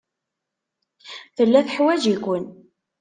Tella teḥwaj-iken.